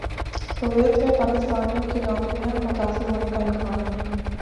Kuwait میں پاکستانیوں کی نوکریاں متاثر ہونے کا امکان ہے